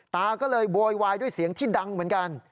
ตาก็เลยโวยวายด้วยเสียงที่ดังเหมือนกัน